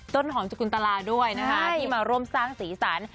ต้นหอมสกุลตลาด้วยนะคะที่มาร่วมสร้างสีสัน